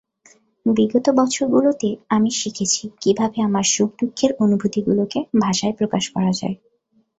বিগত বছরগুলোতে আমি শিখেছি কীভাবে আমার সুখ-দুঃখের অনুভূতিগুলোকে ভাষায় প্রকাশ করা যায়।